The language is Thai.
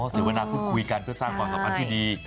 เสวนาพูดคุยกันเพื่อสร้างความสัมพันธ์ที่ดี